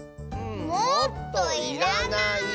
もっといらない。